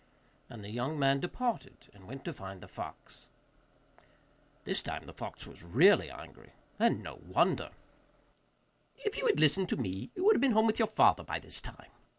And the young man departed, and went to find the fox. This time the fox was really angry, and no wonder. 'If you had listened to me, you would have been home with your father by this time.